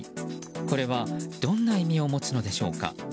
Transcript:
これはどんな意味を持つのでしょうか。